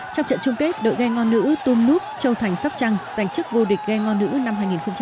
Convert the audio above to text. trong trận chung kết đội gây ngon nữ tung nup châu thành sóc trăng giành chức vô địch gây ngon nữ năm hai nghìn một mươi chín